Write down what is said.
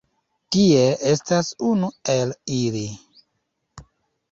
Tie estas unu el ili